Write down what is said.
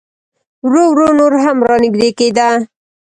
ورو ورو نور هم را نږدې کېده.